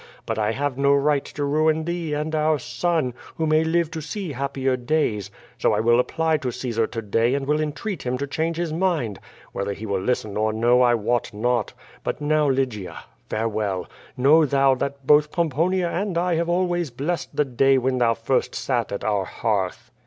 But I have no right to ruin thee and our son, who may live to sec happier days, so I will apply to Caesar to day and will entreat him to change his mind. Whether he will listen or no T wot not. But now, Lygia, farewell. Know thou that both Pomponia and I have always blessed the day when thou first sat at our hearth."